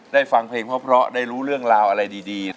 ฟังเพลงเพราะได้รู้เรื่องราวอะไรดี